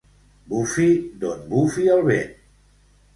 Bufi d'on bufi el vent.